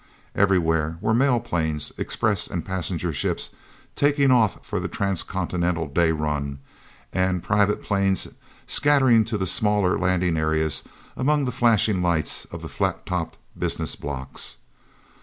Everywhere were mail planes, express and passenger ships taking off for the transcontinental day run, and private planes scattering to the smaller landing areas among the flashing lights of the flat topped business blocks.